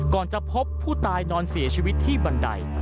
จะพบผู้ตายนอนเสียชีวิตที่บันได